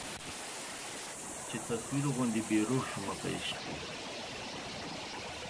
چي تصویر غوندي بې روح سومه په عشق کي